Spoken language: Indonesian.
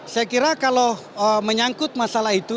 saya kira kalau menyangkut masalah itu